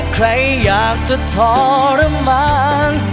ใครอยากจะทรมาน